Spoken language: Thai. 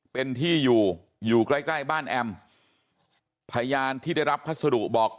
เป็นที่อยู่อยู่ใกล้ใกล้บ้านแอมพยานที่ได้รับพัสดุบอก